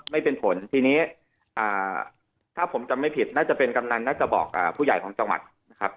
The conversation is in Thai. ไม่เป็นผลทีนี้ถ้าผมจำไม่ผิดน่าจะเป็นกำนันน่าจะบอกผู้ใหญ่ของจังหวัดนะครับ